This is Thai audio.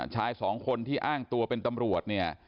ชายสองคนที่อ้างตัวเป็นตำรวจเนี่ย